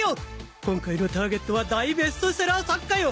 今回のターゲットは大ベストセラー作家よ！